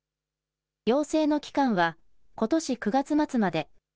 要請の期間はことし９月末まで。